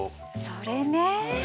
それね。